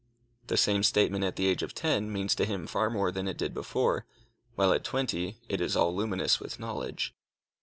The same statement at the age of ten, means to him far more than it did before, while at twenty it is all luminous with knowledge.